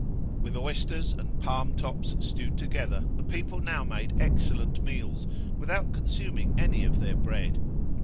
With oysters and palm tops stewed together the people now made excellent meals, without consuming any of their bread.